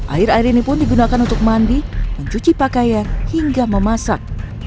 air air ini pun digunakan untuk mandi mencuci pakaian hingga memasak